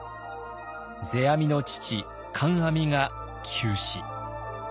世阿弥の父・観阿弥が急死。